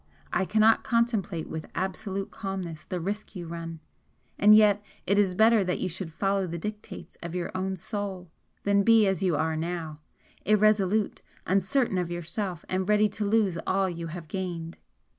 I cannot contemplate with absolute calmness the risk you run, and yet it is better that you should follow the dictates of your own soul than be as you are now irresolute, uncertain of yourself and ready to lose all you have gained!"